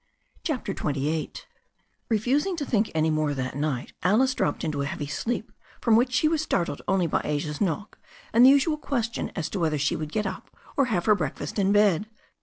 CHAPTER XXVIII REFUSING to think any more that night, Alice dropped into a heavy sleep from which she was startled only by Asia's knock and the usual ques tion as to whether she would get up or have her breakfast in bed.